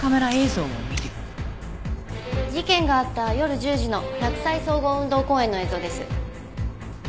事件があった夜１０時の洛西総合運動公園の映像です。